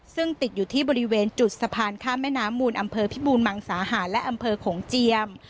ซึ่งติดอยู่ที่บริเวณจุดสะพานข้ามแม่น้ำมูลอำเภอพิบูรมังสาหารและอำเภอโขงเจียม